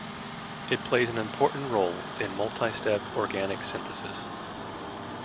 It plays an important role in multistep organic synthesis.